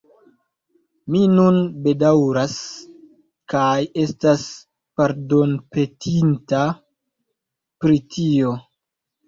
Mi nun bedaŭras kaj estas pardonpetinta pri tio.